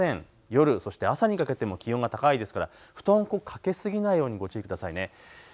夜、そして朝にかけても気温が高いですから布団かけ過ぎないようにご注意くださいね。